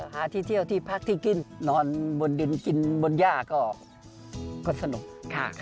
หาที่เที่ยวที่พักที่กินนอนบนดินกินบนย่าก็สนุก